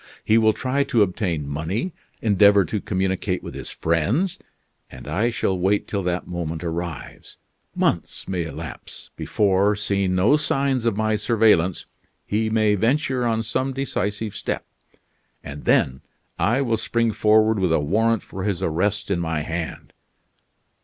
He will try to obtain money, endeavor to communicate with his friends, and I shall wait till that moment arrives. Months may elapse, before, seeing no signs of my surveillance, he may venture on some decisive step; and then I will spring forward with a warrant for his arrest in my hand."